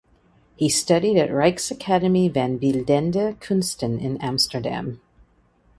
He studied at Rijksakademie van beeldende kunsten in Amsterdam.